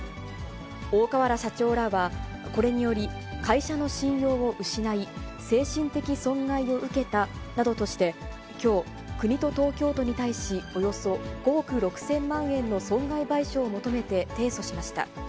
大川原社長らはこれにより、会社の信用を失い、精神的損害を受けたなどとしてきょう、国と東京都に対し、およそ５億６０００万円の損害賠償を求めて提訴しました。